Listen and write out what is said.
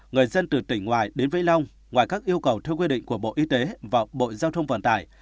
người dân từ tỉnh ngoài đến vĩnh long ngoài các yêu cầu theo quy định của bộ y tế và bộ giao thông vận tải